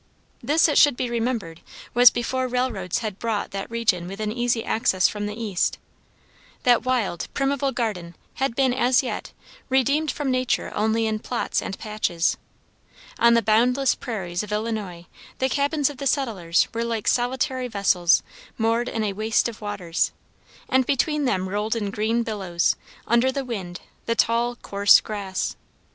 This, it should be remembered, was before railroads had brought that region within easy access from the east. That wild, primeval garden had been, as yet, redeemed from nature only in plots and patches. On the boundless prairies of Illinois the cabins of the settlers were like solitary vessels moored in a waste of waters, and between them rolled in green billows, under the wind, the tall, coarse grass.